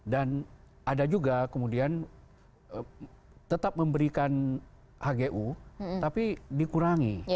dan ada juga kemudian tetap memberikan hgu tapi dikurangi